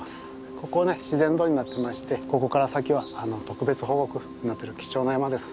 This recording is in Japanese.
ここね自然道になってましてここから先は特別保護区になってる貴重な山です。